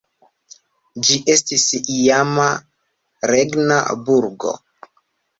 Ĝi estis iama regna burgo.